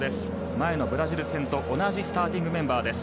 前のブラジル戦と同じスターティングメンバーです。